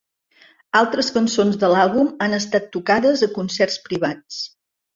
Altres cançons de l'àlbum han estat tocades a concerts privats.